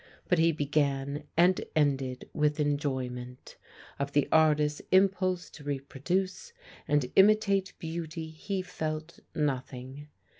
But he began and ended with enjoyment; of the artist's impulse to reproduce and imitate beauty he felt nothing.